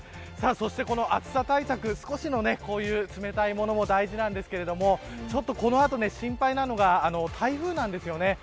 そして暑さ対策冷たいものも大事なんですけどちょっとこの後心配なのが台風なんですよね。